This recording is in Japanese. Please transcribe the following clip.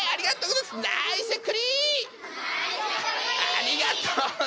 ありがとう！